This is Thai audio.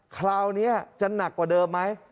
คราวนี้จะหนักกว่าเดิมไหม